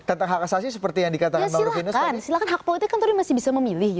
tentang hak asasi seperti yang dikatakan mbak rufinus tadi